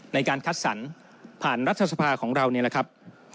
ในการคัดสรรผ่านรัฐสภาของเรานี่แหละครับ